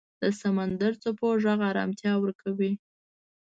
د سمندر څپو غږ آرامتیا ورکوي.